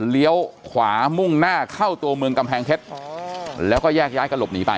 เลี้ยวขวามุ่งหน้าเข้าตัวเมืองกำแพงเพชรแล้วก็แยกย้ายกันหลบหนีไป